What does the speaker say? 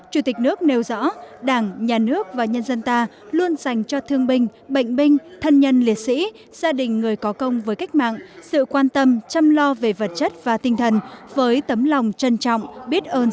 chủ tịch nước nêu rõ đảng nhà nước và nhân dân ta luôn dành cho thương binh bệnh binh thân nhân liệt sĩ gia đình người có công với cách mạng sự quan tâm chăm lo về vật chất và tinh thần với tấm lòng trân trọng biết ơn